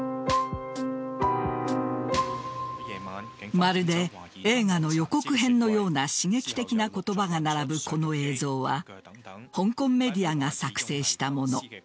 まるで映画の予告編のような刺激的な言葉が並ぶこの映像は香港メディアが作成したもの。